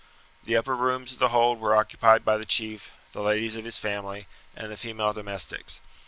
The upper rooms of the hold were occupied by the chief, the ladies of his family, and the female domestics.